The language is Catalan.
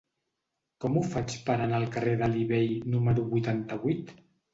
Com ho faig per anar al carrer d'Alí Bei número vuitanta-vuit?